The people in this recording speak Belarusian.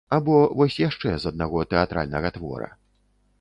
Або вось яшчэ з аднаго тэатральнага твора.